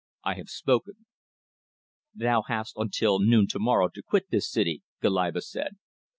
I have spoken." "Thou hast until noon to morrow to quit this city," Goliba said.